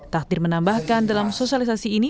takdir menambahkan dalam sosialisasi ini